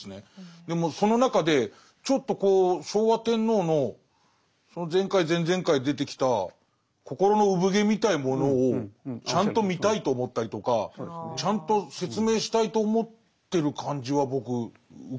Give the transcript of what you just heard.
でもその中でちょっと昭和天皇の前回前々回出てきた「心の生ぶ毛」みたいなものをちゃんと見たいと思ったりとかちゃんと説明したいと思ってる感じは僕受けますね。